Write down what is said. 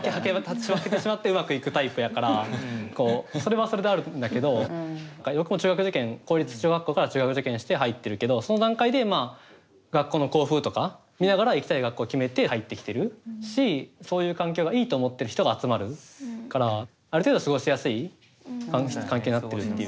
履けてしまってうまくいくタイプやからこうそれはそれであるんだけど僕も中学受験公立小学校から中学受験して入ってるけどその段階でまあ学校の校風とか見ながら行きたい学校決めて入ってきてるしそういう環境がいいと思ってる人が集まるからある程度過ごしやすい環境になってるっていうか。